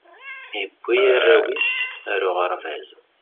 iwwi arraw is ar uɣerbaz